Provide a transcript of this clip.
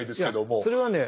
それはね